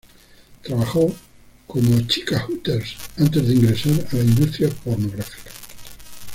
Trabajó como Chica Hooters antes de ingresar a la industria pornográfica.